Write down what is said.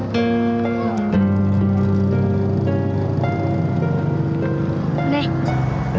selamat tidur bu